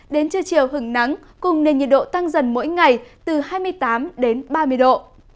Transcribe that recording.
đến trưa chiều hứng nắng cùng nền nhiệt độ tăng dần mỗi ngày từ hai mươi tám đến ba mươi độ